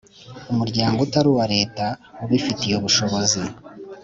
umuryango utari uwa Leta ubifitiye ubushobozi.